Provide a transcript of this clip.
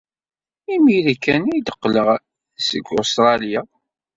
Imir-a kan ay d-qqleɣ seg Ustṛalya.